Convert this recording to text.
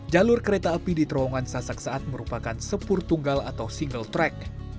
jalur kereta api di terowongan sasak saat merupakan sepur tunggal atau single track